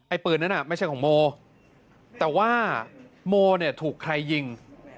ไอ้ปืนนั้นไม่ใช่ของโมแต่ว่าโมถูกใครยิง